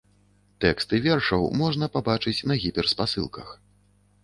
Тэксты вершаў можна пабачыць па гіперспасылках.